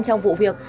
trong vụ việc